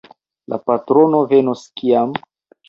La patrono venos kiam?